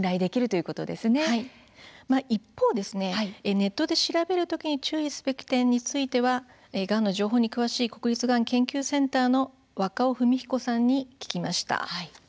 一方で、ネットで調べる時に注意すべき点をがんの情報に詳しい国立がん研究センターの若尾文彦さんに聞きました。